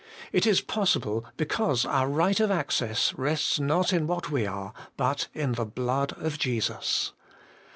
It is possible, because our right of access rests not in what we are, but in the blood of Jesus.